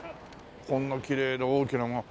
こんなきれいで大きな。